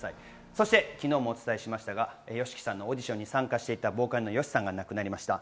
そして昨日もお伝えしましたが、ＹＯＳＨＩＫＩさんのオーディションに参加していたボーカルのＹＯＳＨＩさんが亡くなりました。